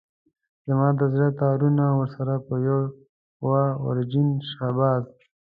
زما د زړه تارونه ورسره په يوه ويرجن شهباز.